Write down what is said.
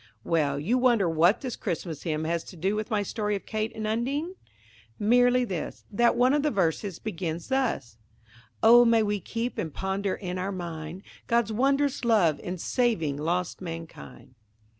Well! you wonder what this Christmas hymn has to do with my story of Kate and Undine? Merely this,–that one of the verses begins thus:– "Oh may we keep and ponder in our mind, God's wondrous love in saving lost mankind."